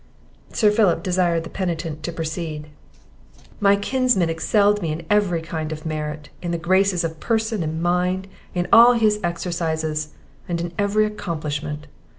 Sir Philip desired the penitent to proceed. "My kinsman excelled me in every kind of merit, in the graces of person and mind, in all his exercises, and in every accomplishment.